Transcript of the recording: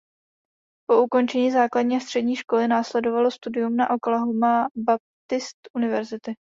Po ukončení základní a střední školy následovalo studium na Oklahoma Baptist University.